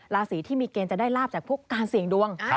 ราศีที่มีเกณฑ์จะได้ลาบจากพวกการเสี่ยงดวง